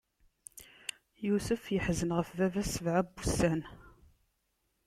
Yusef iḥzen ɣef baba-s sebɛa n wussan.